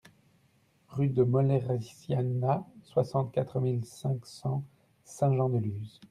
Rue de Moleressenia, soixante-quatre mille cinq cents Saint-Jean-de-Luz